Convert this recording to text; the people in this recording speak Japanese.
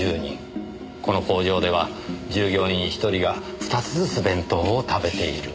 この工場では従業員１人が２つずつ弁当を食べている。